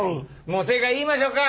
もう正解言いましょか？